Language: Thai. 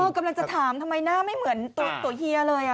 กำลังจะถามทำไมหน้าไม่เหมือนตัวเฮียเลย